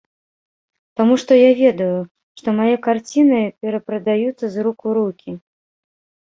Таму што я ведаю, што мае карціны перапрадаюцца з рук у рукі!